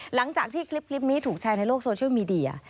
หลังจากที่คลิปนี้ถูกแชร์ในโลกโซเชียลมีเดีย